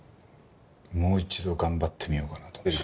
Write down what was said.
もう一度頑張ってみようかなと思って。